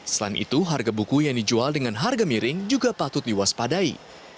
selain itu harga buku yang dijual dengan harga miring juga patut diwaspadai